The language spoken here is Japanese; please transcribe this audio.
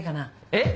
えっ！